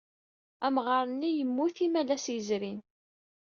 Amɣar-nni yemmut imalas yezrin.